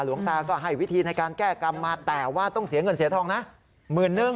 หลวงตาก็ให้วิธีในการแก้กรรมมาแต่ว่าต้องเสียเงินเสียทองนะหมื่นนึง